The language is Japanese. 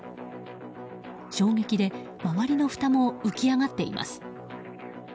衝撃で周りのふたも浮き上がっています。